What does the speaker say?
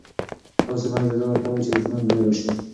تاسو مه اجازه ورکوئ چې دښمن بیا راشي.